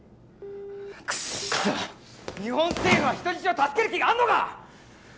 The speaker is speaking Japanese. くそっ、日本政府は人質を助ける気があるのか！